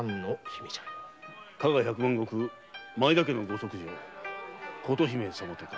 加賀百万石・前田家のご息女琴姫様とか。